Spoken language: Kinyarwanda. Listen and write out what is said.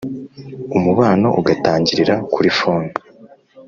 umubano ugatangirira kuri fone.